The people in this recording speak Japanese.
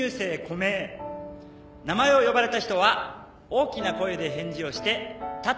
名前を呼ばれた人は大きな声で返事をして立ってください。